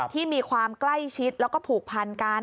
ที่มีความใกล้ชิดแล้วก็ผูกพันกัน